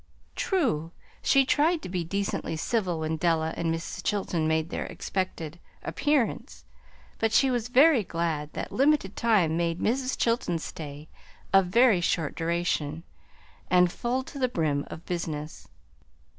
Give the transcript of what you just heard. True, she tried to be decently civil when Della and Mrs. Chilton made their expected appearance; but she was very glad that limited time made Mrs. Chilton's stay of very short duration, and full to the brim of business.